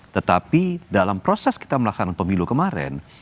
tetapi dalam proses kita melaksanakan pemilu kemarin